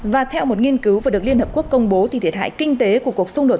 và theo một nghiên cứu vừa được liên hợp quốc công bố thì thiệt hại kinh tế của cuộc xung đột